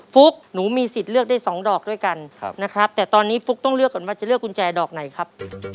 ฟุ๊กหนูมีสิทธิ์เลือกได้สองดอกด้วยกันนะครับแต่ตอนนี้ฟุ๊กต้องเลือกก่อนว่าจะเลือกกุญแจดอกไหนครับ